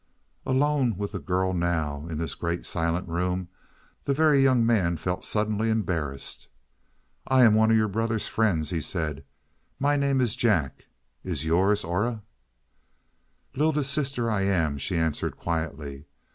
Alone with the girl now in this great silent room, the Very Young Man felt suddenly embarrassed. "I am one of your brother's friends," he said. "My name's Jack; is yours Aura?" "Lylda's sister I am," she answered quietly.